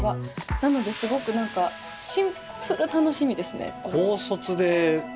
なのですごく何かシンプル楽しみですね。